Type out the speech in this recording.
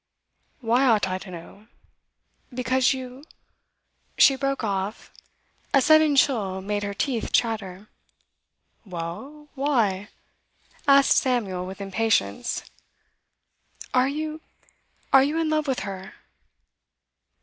'Why ought I to know?' 'Because you .' She broke off. A sudden chill made her teeth chatter. 'Well why?' asked Samuel, with impatience. 'Are you are you in love with her?